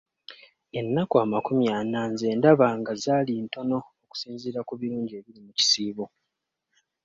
Ennaku amakumi ana nze ndaba zaali ntono okusinziira ku birungi ebiri mu kusiiba.